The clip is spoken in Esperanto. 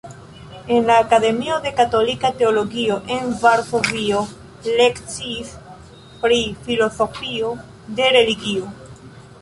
En la Akademio de Katolika Teologio en Varsovio lekciis pri filozofio de religio.